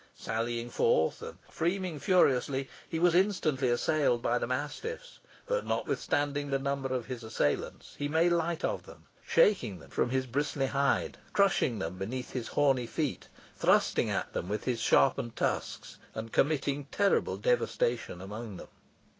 Sallying forth, and freaming furiously, he was instantly assailed by the mastiffs; but, notwithstanding the number of his assailants, he made light of them, shaking them from his bristly hide, crushing them beneath his horny feet, thrusting at them with his sharpened tusks, and committing terrible devastation among them.